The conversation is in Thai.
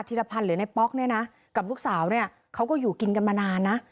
ธิรพันธ์เหลือในป๊อกนี้นะแต่ลูกสาวไหนเขาก็อยู่กินกันมานานนะ